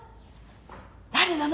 誰なの？